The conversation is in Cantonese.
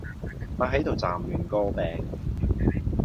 咪係度劖亂歌柄